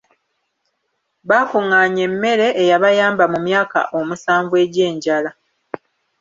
Baakungaanya emmere eyabayamba mu myaka omusanvu egy'enjala.